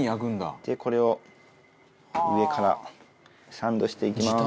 これを上からサンドしていきます。